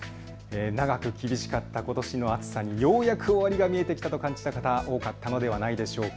長く厳しかったことしの暑さにようやく終わりが見えてきたと感じた方、多かったのではないでしょうか。